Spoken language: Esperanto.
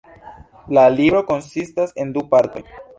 La libro konsistas de du partoj.